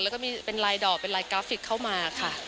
แล้วก็มีเป็นลายดอกเป็นลายกราฟิกเข้ามาค่ะ